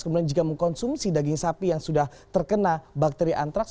kemudian jika mengkonsumsi daging sapi yang sudah terkena bakteri antraks